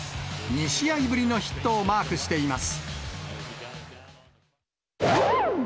２試合ぶりのヒットをマークしています。